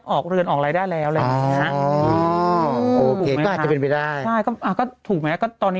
อ๋อโอเคก็อาจจะเป็นไปได้